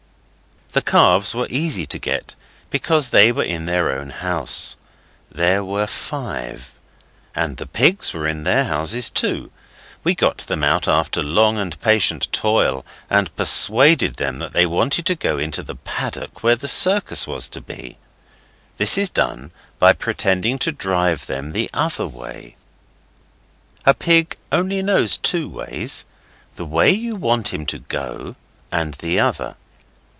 The calves were easy to get, because they were in their own house. There were five. And the pigs were in their houses too. We got them out after long and patient toil, and persuaded them that they wanted to go into the paddock, where the circus was to be. This is done by pretending to drive them the other way. A pig only knows two ways the way you want him to go, and the other.